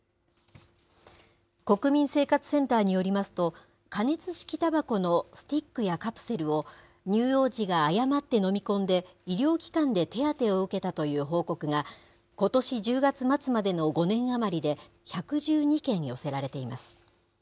国民生活センターによりますと、加熱式たばこのスティックやカプセルを、乳幼児が誤って飲み込んで、医療機関で手当てを受けたという報告が、ことし１０月末までの５年余りで１１２件寄せられています。